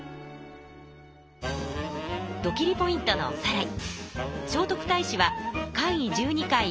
ドキリ★ポイントのおさらい。